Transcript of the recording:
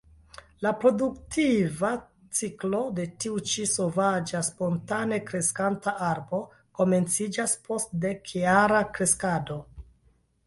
La produktiva ciklo de ĉi tiu sovaĝa spontane kreskanta arbo komenciĝas post dekjara kreskado.